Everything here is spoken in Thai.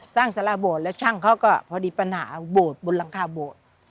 สร้างสาระโบดแล้วช่างเขาก็พอดีปัญหาโบดบนรังคาโบด